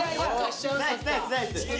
ナイスナイスナイス！